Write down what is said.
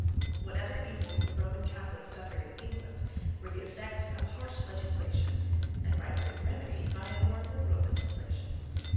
Whatever evils the Roman Catholic suffered in England were the effects of harsh legislation, and might have been remedied by a more liberal legislation.